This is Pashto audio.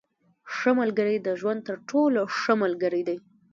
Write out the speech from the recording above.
• ښه ملګری د ژوند تر ټولو ښه ملګری دی.